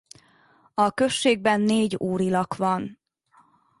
A községben négy úrilak van.